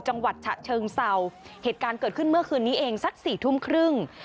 จังหวัดฉะเชิงเศร้าเหตุการณ์เกิดขึ้นเมื่อคืนนี้เองสักสี่ทุ่มครึ่ง